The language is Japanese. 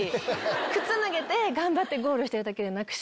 靴脱げて頑張ってゴールしてるだけで泣くし。